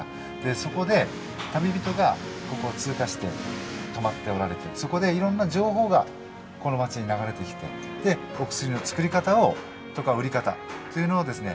そこで旅人がここを通過して泊まっておられてそこでいろんな情報がこの町に流れてきてでお薬の作り方とか売り方というのをですね